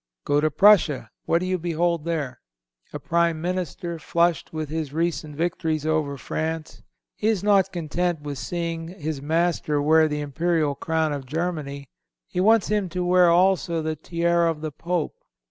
Go to Prussia; what do you behold there? A Prime Minister flushed with his recent victories over France. He is not content with seeing his master wear the imperial crown of Germany; he wants him to wear also the tiara of the Pope.